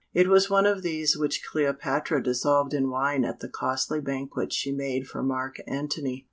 It was one of these which Cleopatra dissolved in wine at the costly banquet she made for Mark Antony.